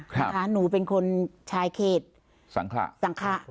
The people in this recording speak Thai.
ครับอ่าหนูเป็นคนชายเขตสังคะสังคะ